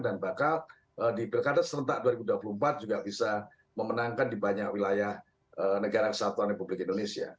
dan bakal di pilkada serentak dua ribu dua puluh empat juga bisa memenangkan di banyak wilayah negara kesatuan republik indonesia